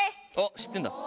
知ってんだ。